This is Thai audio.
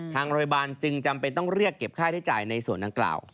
ทางโรงพยาบาลจึงจำเป็นต้องเรียกเก็บค่าใช้จ่ายในส่วนดังกล่าว